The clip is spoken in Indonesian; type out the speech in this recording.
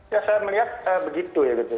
ya saya melihat begitu ya gitu